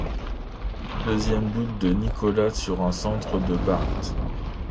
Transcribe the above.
Deuxième but de Nicolas sur un centre de Bard.